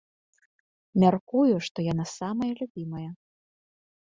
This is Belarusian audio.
Мяркую, што яна самая любімая.